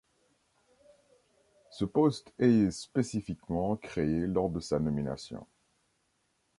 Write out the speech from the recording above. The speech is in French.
Ce poste est spécifiquement créé lors de sa nomination.